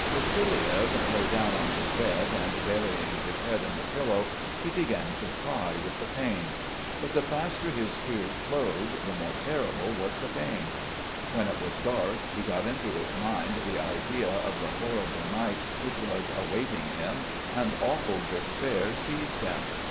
Vassiliev lay down on his bed and burying his head in the pillow he began to cry with the pain. But the faster his tears flowed, the more terrible was the pain. When it was dark, he got into his mind the idea of the horrible night which was awaiting him and awful despair seized him.